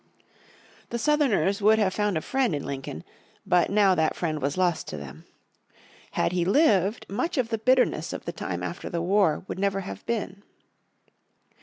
The Southerners would have found a friend in Lincoln, but now that friend was lost to them. Had he lived much of the bitterness of the time after the war would never have been.